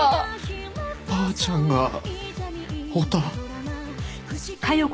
ばあちゃんがオタ？